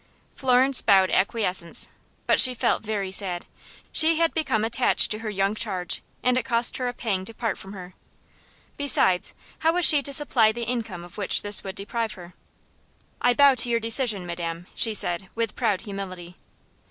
Florence bowed acquiescence, but she felt very sad. She had become attached to her young charge, and it cost her a pang to part from her. Besides, how was she to supply the income of which this would deprive her? "I bow to your decision, madam," she said, with proud humility.